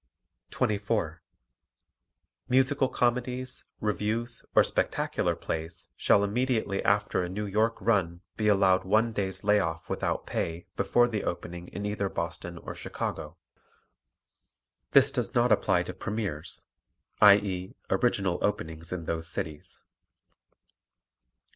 24. Musical comedies, revues or spectacular plays shall immediately after a New York run be allowed one day's lay off without pay before the opening in either Boston or Chicago. This does not apply to premiers, i.e., original openings in those cities.